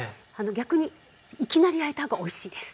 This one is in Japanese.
逆にいきなり焼いた方がおいしいです。